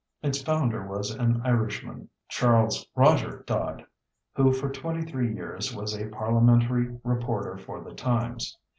Its founder was an Irishman, Charles Roger Dod, who for twenty three years was a parliamentary reporter for the Times.